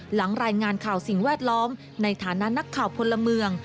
หลังรายงานข่าวสิ่งแวดล้อมในฐานะนักข่าวพลเมือง